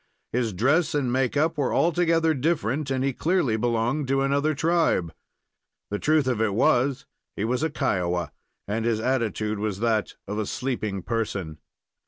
His dress and make up were altogether different, and he clearly belonged to another tribe. The truth of it was, he was a Kiowa, and his attitude was that of a sleeping person.